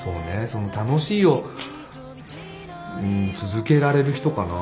その楽しいを続けられる人かな。